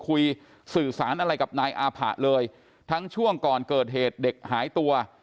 สื่อสารอะไรกับนายอาผะเลยทั้งช่วงก่อนเกิดเหตุเด็กหายตัว